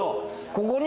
ここに。